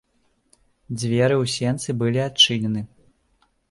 Дзверы ў сенцы былі адчынены.